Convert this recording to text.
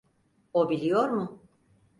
O biliyor mu?